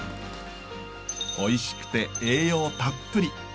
おいしくて栄養たっぷり。